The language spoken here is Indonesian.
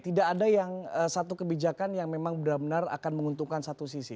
tidak ada yang satu kebijakan yang memang benar benar akan menguntungkan satu sisi